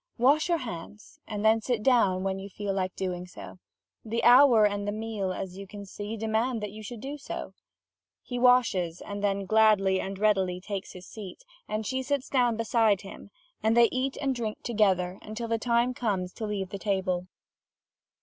Wash your hands, and then sit down, when you feel like doing so. The hour and the meal, as you can see, demand that you should do so." He washes, and then gladly and readily takes his seat, and she sits down beside him, and they eat and drink together, until the time comes to leave the table.